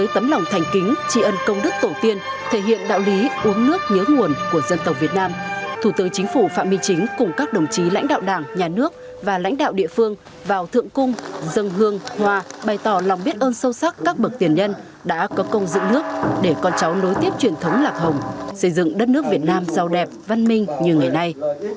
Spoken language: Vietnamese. thủ tướng chính phủ phạm minh chính cùng các đồng chí lãnh đạo đảng nhà nước và lãnh đạo địa phương vào thượng cung dân hương hòa bày tỏ lòng biết ơn sâu sắc các bậc tiền nhân đã có công dựng nước để con cháu nối tiếp truyền thống lạc hồng xây dựng đất nước việt nam rau đẹp văn minh như ngày nay